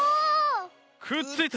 くっついた。